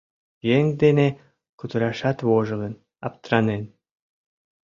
Еҥ дене кутырашат вожылын, аптранен.